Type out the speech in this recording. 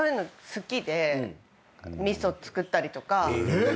えっ！